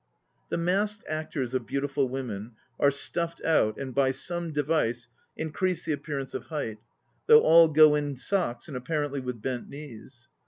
"The masked actors of beautiful women are stuffed out and by some device increase the appearance of height, though all go in socks and apparently with bent knees.